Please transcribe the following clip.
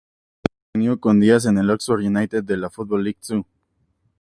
Se reunió con Díaz en el Oxford United de la Football League Two.